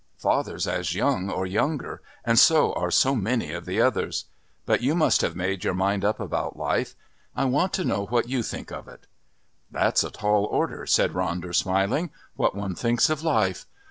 Father's as young or younger and so are so many of the others. But you must have made your mind up about life. I want to know what you think of it." "That's a tall order," said Ronder, smiling. "What one thinks of life!